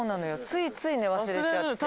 ついついね忘れちゃって。